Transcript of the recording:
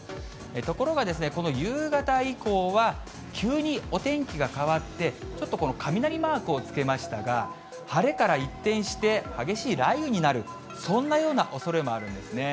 ところがですね、この夕方以降は、急にお天気が変わって、ちょっと雷マークをつけましたが、晴れから一転して、激しい雷雨になる、そんなようなおそれもあるんですね。